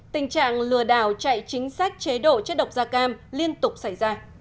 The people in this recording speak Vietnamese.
tình trạng lừa đảo chạy chính sách chế độ chất độc da cam liên tục xảy ra